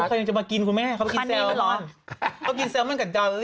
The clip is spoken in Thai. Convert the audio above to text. โอเคจะมากินคุณแม่เขากินเซลมอนปันดีมันร้อน